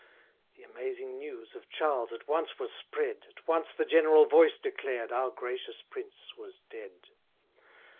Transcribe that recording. The amazing news of Charles at once were spread, At once the general voice declared, "Our gracious prince was dead."